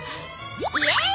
イエーイ！